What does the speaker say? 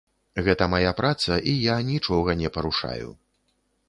Гэта мая праца, і я нічога не парушаю.